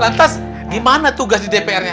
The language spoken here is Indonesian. lantas gimana tugas di dpr nya